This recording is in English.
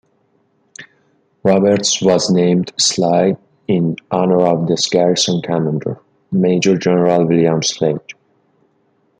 Roberts was named Sleigh in honour of the garrison commander, Major General William Sleigh.